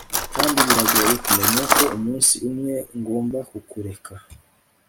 Kandi biragoye kumenya ko umunsi umwe ngomba kukureka